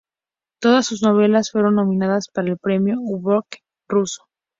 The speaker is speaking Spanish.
Todas sus novelas fueron nominadas para el Premio Booker ruso.